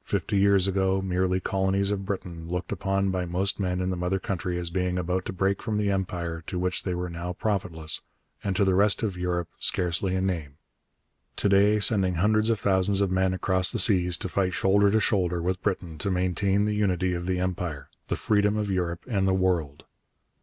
Fifty years ago, merely colonies of Britain, looked upon by most men in the mother country as being about to break from the Empire to which they were now profitless, and to the rest of Europe scarcely a name! To day, sending hundreds of thousands of men across the seas to fight shoulder to shoulder with Britain to maintain the unity of the Empire, the freedom of Europe and the world!